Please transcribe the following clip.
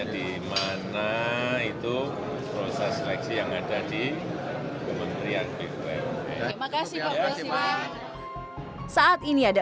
di mana itu proses seleksi yang ada di kementerian bumn terima kasih pak bersihman saat ini ada